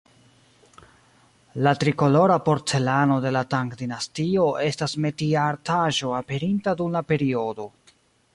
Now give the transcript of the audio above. La tri-kolora porcelano de la Tang-dinastio estas metiartaĵo aperinta dum la periodo.